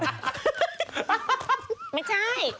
ไม่ใช่